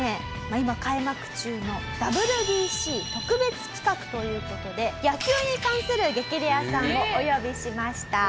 今開幕中のＷＢＣ特別企画という事で野球に関する激レアさんをお呼びしました。